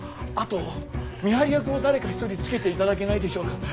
あと見張り役を誰か一人つけていただけないでしょうか。